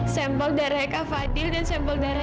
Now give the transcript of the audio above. sempol darah kak fadil dan sempol darah kak fadil